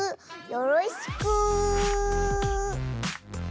よろしく。